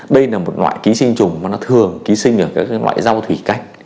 đây là một loại ký sinh trùng mà nó thường ký sinh ở các loại rau thủy canh